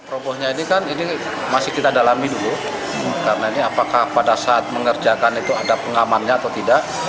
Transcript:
robohnya ini kan ini masih kita dalami dulu karena ini apakah pada saat mengerjakan itu ada pengamannya atau tidak